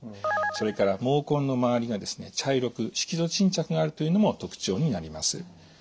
それから毛根の周りがですね茶色く色素沈着があるというのも特徴になります。